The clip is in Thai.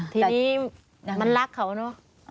ทีนี้มันรักเขาเนอะ